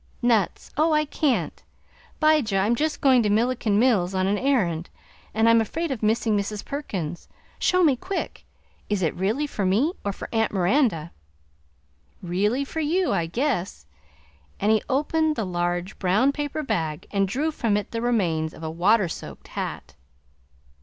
"Nuts? Oh! I can't, Bijah; I'm just going to Milliken's Mills on an errand, and I'm afraid of missing Mrs. Perkins. Show me quick! Is it really for me, or for Aunt Miranda?" "Reely for you, I guess!" and he opened the large brown paper bag and drew from it the remains of a water soaked hat!